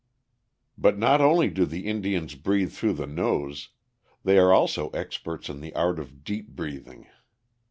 But not only do the Indians breathe through the nose: they are also experts in the art of deep breathing.